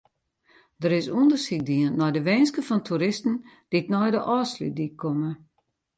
Der is ûndersyk dien nei de winsken fan toeristen dy't nei de Ofslútdyk komme.